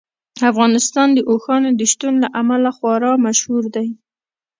افغانستان د اوښانو د شتون له امله خورا مشهور دی.